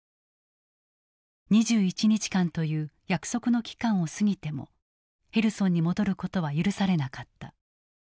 ２１日間という約束の期間を過ぎてもヘルソンに戻ることは許されなかった。